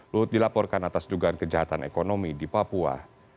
luhut dilaporkan atas dugaan kejahatan ekonomi di papua